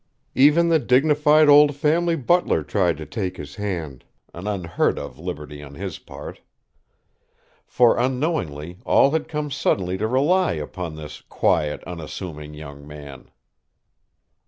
Even the dignified old family butler tried to take his hand, an unheard of liberty on his part. For, unknowingly, all had come suddenly to rely upon this quiet, unassuming young man.